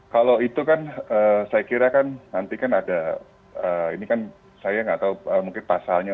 kalau itu kan saya kira kan nanti kan ada ini kan saya nggak tahu mungkin pasalnya